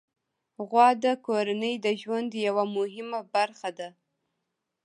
غوا د کورنۍ د ژوند یوه مهمه برخه ده.